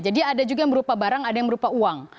jadi ada juga yang berupa barang ada yang berupa uang